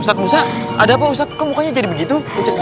ustaz musa ada apa ustaz kok mukanya jadi begitu